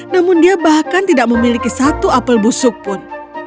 namun dia bahkan tidak memiliki satu apel busuk pun